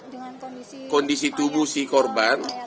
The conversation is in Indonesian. dengan kondisi tubuh si korban